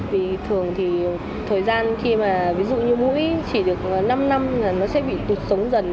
vì thường thì thời gian khi mà ví dụ như mũi chỉ được năm năm là nó sẽ bị tụt sống dần